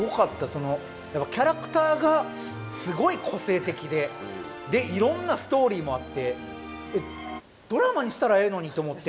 そのやっぱキャラクターがすごい個性的ででいろんなストーリーもあってドラマにしたらええのにって思って。